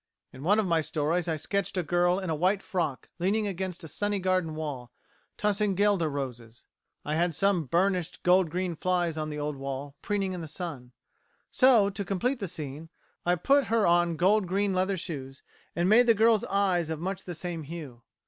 "In one of my stories I sketched a girl in a white frock leaning against a sunny garden wall, tossing guelder roses. I had some burnished gold green flies on the old wall, preening in the sun; so, to complete the scene, I put her on gold green leather shoes, and made the girl's eyes of much the same hue.